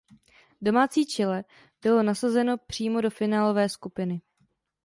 Domácí Chile bylo nasazeno přímo do finálové skupiny.